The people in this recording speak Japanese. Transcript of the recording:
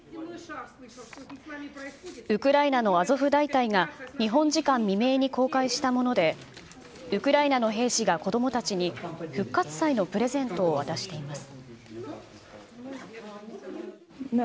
ウクライナのアゾフ大隊が日本時間未明に公開したもので、ウクライナの兵士が子どもたちに復活祭のプレゼントを渡しています。